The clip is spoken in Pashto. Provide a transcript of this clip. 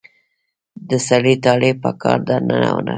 د سړي طالع په کار ده نه هنر.